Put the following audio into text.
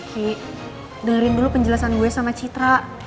ki dari dulu penjelasan gue sama citra